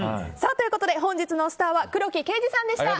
ということで、本日のスターは黒木啓司さんでした。